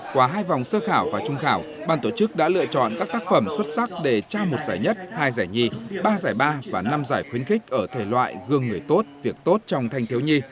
qua hai vòng sơ khảo và trung khảo ban tổ chức đã lựa chọn các tác phẩm xuất sắc để trao một giải nhất hai giải nhi ba giải ba và năm giải khuyến khích ở thể loại gương người tốt việc tốt trong thanh thiếu nhi